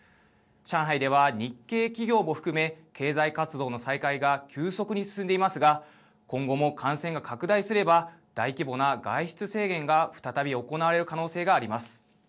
上海では、日系企業も含め経済活動の再開が急速に進んでいますが今後も感染が拡大すれば大規模な外出制限が再び行われる可能性があります。